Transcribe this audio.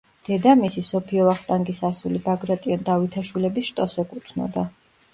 დედამისი, სოფიო ვახტანგის ასული, ბაგრატიონ–დავითაშვილების შტოს ეკუთვნოდა.